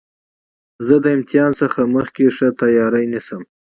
زه له امتحان څخه مخکي ښه تیاری نیسم.